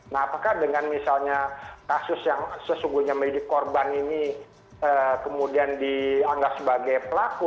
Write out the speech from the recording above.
nah apakah dengan misalnya kasus yang sesungguhnya menjadi korban ini kemudian dianggap sebagai pelaku